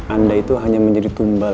anda itu hanya menjadi tumbal